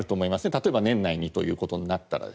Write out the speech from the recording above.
例えば年内にということになったら。